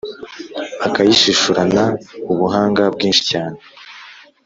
akayishishurana ubuhanga bwinshi cyane